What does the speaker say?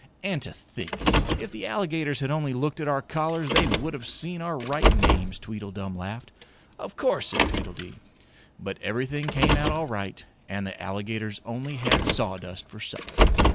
"And to think, if the alligators had only looked at our collars, they would have seen our right names," Tweedledum laughed. "Of course," said Tweedledee. But everything came out all right and the alligators only had sawdust for supper.